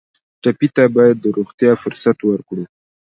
ټپي ته باید د روغتیا فرصت ورکړو.